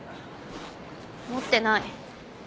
持ってない。